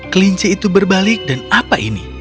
kelinci itu berbalik dan apa ini